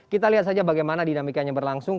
kita lihat saja bagaimana dinamikanya berlangsung